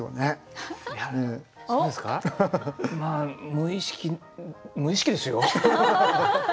無意識無意識ですよ。